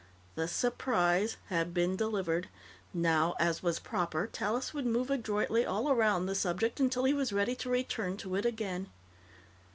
The "surprise" had been delivered. Now, as was proper, Tallis would move adroitly all around the subject until he was ready to return to it again.